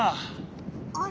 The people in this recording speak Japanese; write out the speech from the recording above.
あれ？